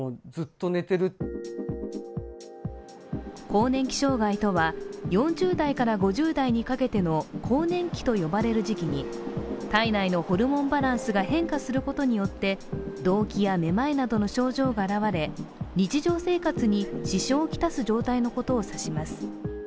更年期障害とは４０代から５０代にかけての更年期と呼ばれる時期に体内のホルモンバランスが変化することによってどうきやめまいなどの症状が表れ日常生活に支障を来す状態のことを言います。